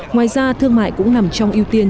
ngoài ra thương mại cũng nằm trong ưu tiên